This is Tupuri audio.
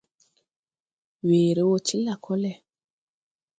Weere wɔ ti lakɔlɛ.